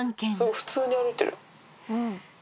普通に歩いてる。